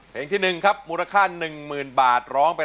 เพลงที่๑นะครับมูลค่า๑หมื่นบาท